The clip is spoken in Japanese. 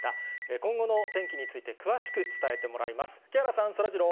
今後の天気について詳しく伝えてもらいます。